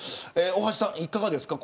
大橋さん、いかがですか。